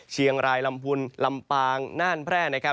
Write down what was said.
เชียงรายลำพูนลำปางน่านแพร่นะครับ